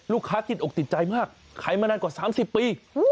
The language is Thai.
ติดอกติดใจมากขายมานานกว่า๓๐ปี